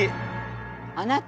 あなた！